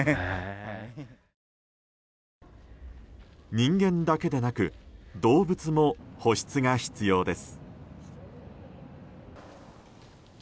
人間だけでなく動物も保湿が必要です。